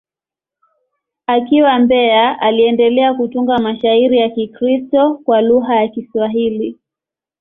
Akiwa Mbeya, aliendelea kutunga mashairi ya Kikristo kwa lugha ya Kiswahili.